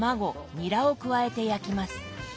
ニラを加えて焼きます。